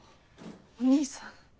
お兄さん。